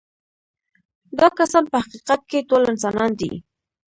دا کسان په حقیقت کې ټول انسانان دي.